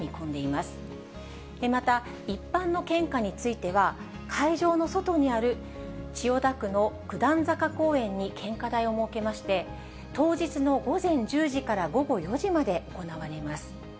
また一般の献花については、会場の外にある千代田区の九段坂公園に献花台を設けまして、当日の午前１０時から午後４時まで行われます。